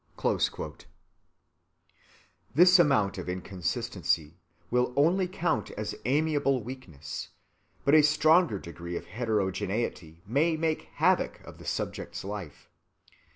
(89) This amount of inconsistency will only count as amiable weakness; but a stronger degree of heterogeneity may make havoc of the subject's life.